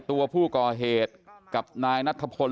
ตัวผู้ก่อเหตุกับนายนัทธพล